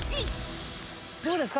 どうですか？